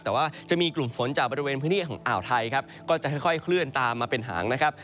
แต่ว่าจะมีกลุ่มฝนจากบริเวณพื้นที่ของอ่าวไทยครับก็จะค่อยเคลื่อนตามมาเป็นหางนะครับ